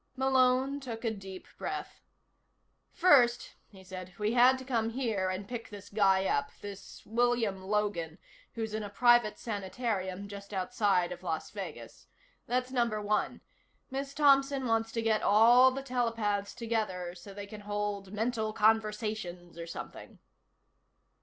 Malone took a deep breath. "First," he said, "we had to come here and pick this guy up. This William Logan, who's in a private sanitarium just outside of Las Vegas. That's number one. Miss Thompson wants to get all the telepaths together, so they can hold mental conversations or something."